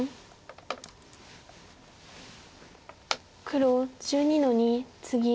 黒１２の二ツギ。